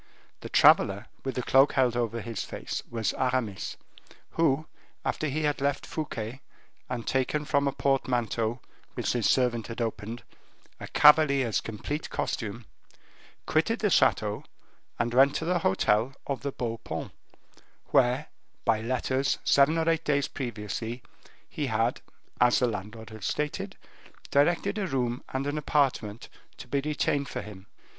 The traveler with the cloak held over his face was Aramis, who, after he had left Fouquet, and taken from a portmanteau, which his servant had opened, a cavalier's complete costume, quitted the chateau, and went to the hotel of the Beau Paon, where, by letters, seven or eight days previously, he had, as the landlord had stated, directed a room and an apartment to be retained for him.